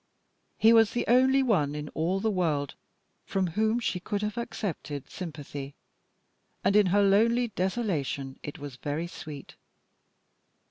He was the only one in all the world from whom she could have accepted sympathy, and in her lonely desolation it was very sweet.